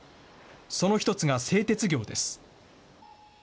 その一つが製鉄業です。